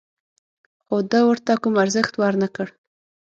خو ده ورته کوم ارزښت ور نه کړ.